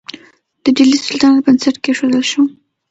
د ډیلي سلطنت بنسټ کیښودل شو.